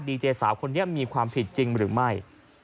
เจสาวคนนี้มีความผิดจริงหรือไม่